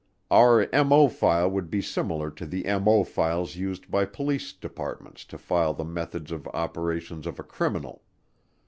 Our MO file would be similar to the MO files used by police departments to file the methods of operations of a criminal.